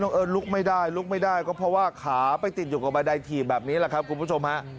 เอิ้นลุกไม่ได้ลุกไม่ได้ก็เพราะว่าขาไปติดอยู่กับบันไดถีบแบบนี้แหละครับคุณผู้ชมฮะ